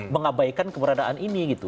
mengabaikan keberadaan ini gitu